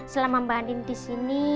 selama mbak andin disini